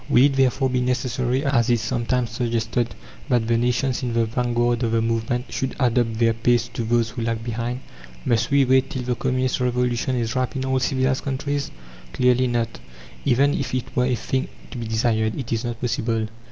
Will it therefore be necessary, as is sometimes suggested, that the nations in the vanguard of the movement should adapt their pace to those who lag behind? Must we wait till the Communist Revolution is ripe in all civilized countries? Clearly not! Even if it were a thing to be desired, it is not possible.